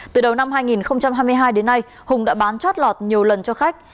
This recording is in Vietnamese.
từ đầu năm hai nghìn hai mươi hai đến nay hùng đã bán chót lọt nhiều lần cho khách